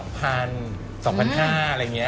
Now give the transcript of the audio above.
๒๕๐๐บาทอะไรอย่างนี้